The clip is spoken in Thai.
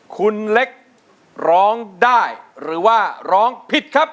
คุณเล็กร้องได้หรือว่าร้องผิดครับ